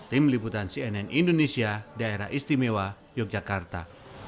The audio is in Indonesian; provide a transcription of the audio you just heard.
tim liputan cnn indonesia daerah istimewa yogyakarta